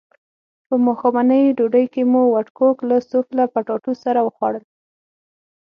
په ماښامنۍ ډوډۍ کې مو وډکوک له سوفله پټاټو سره وخوړل.